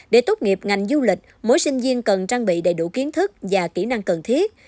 để tốt nghiệp ngành du lịch mỗi sinh viên cần trang bị đầy đủ kiến thức và kỹ năng cần thiết